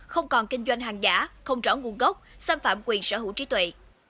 không còn kinh doanh hàng giả không rõ nguồn gốc xâm phạm quyền sở hữu trí tuệ